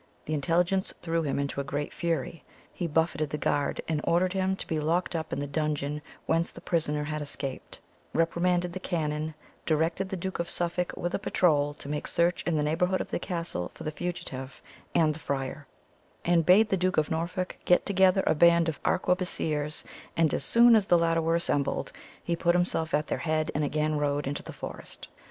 The intelligence threw him into a great fury: he buffeted the guard, and ordered him to be locked up in the dungeon whence the prisoner had escaped; reprimanded the canon; directed the Duke of Suffolk, with a patrol, to make search in the neighbourhood of the castle for the fugitive and the friar; and bade the Duke of Norfolk get together a band of arquebusiers; and as soon as the latter were assembled, he put himself at their head and again rode into the forest.